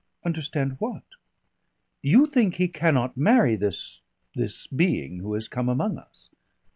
"Understand what?" "You think he cannot marry this this being who has come among us?"